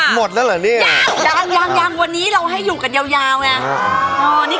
หมดแล้วเหรอนี่ยังยังวันนี้เราให้อยู่กันยาวไง